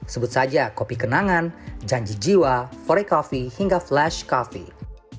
sebut saja kopi kenangan janji jiwa fore coffee hingga flash coffee